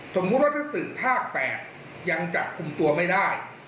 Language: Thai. สมมุติว่าถ้าสื่อภาค๘ยังจับคุมตัวไม่ได้